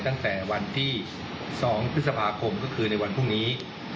ตั้งแต่วันที่๒พฤษภาคมก็คือในวันพรุ่งนี้